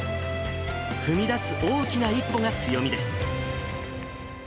踏み出す大きな一歩が強みです。